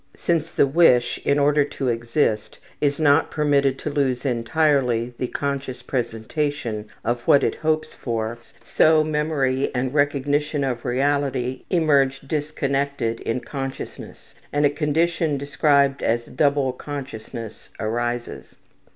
Since the wish in order to exist is not permitted to lose entirely the conscious presentation of what it hopes for, so memory and recognition of reality emerge disconnected in consciousness, and a condition described as double consciousness arises.